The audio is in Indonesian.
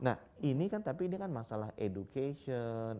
nah ini kan tapi masalah education